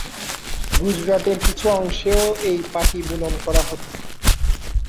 গুজরাটের কিছু অংশেও এই পাটি বুনন করা হত।